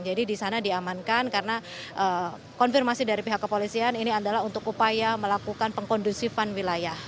jadi di sana diamankan karena konfirmasi dari pihak kepolisian ini adalah untuk upaya melakukan pengkondusifan wilayah